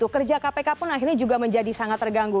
kerja kpk pun akhirnya juga menjadi sangat terganggu